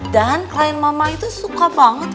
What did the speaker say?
dan klien mama itu suka banget